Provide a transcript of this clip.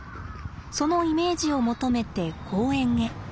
そのイメージを求めて公園へ。